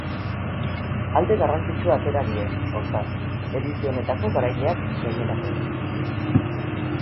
Alde garrantzitsua atera die, hortaz, edizio honetako garaileak gainerakoei.